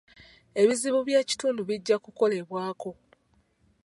Ebizibu by'ekitundu bijja kukolebwako .